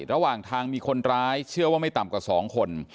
ระหว่างทางมีคนร้ายเชื่อว่าไม่ต่ำกว่า๒คน